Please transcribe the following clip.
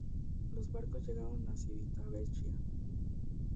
Los barcos llegaron a Civitavecchia.